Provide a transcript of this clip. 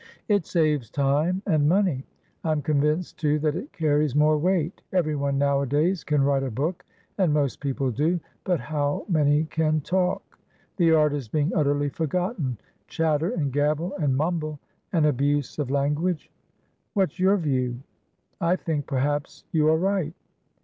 It saves time and money; I'm convinced, too, that it carries more weight. Everyone nowadays can write a book, and most people do; but how many can talk? The art is being utterly forgotten. Chatter and gabble and mumblean abuse of language. What's your view?" "I think perhaps you are right."